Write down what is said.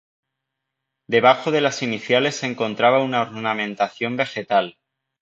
Debajo de las iniciales se encontraba una ornamentación vegetal.